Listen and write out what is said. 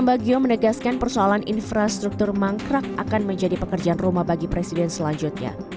ambagio menegaskan persoalan infrastruktur mangkrak akan menjadi pekerjaan rumah bagi presiden selanjutnya